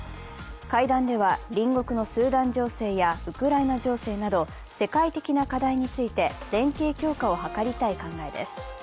会談では隣国のスーダン情勢やウクライナ情勢など世界的な課題について連携強化を図りたい考えです。